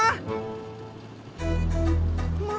masya allah pak